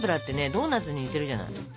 ドーナツに似てるじゃない。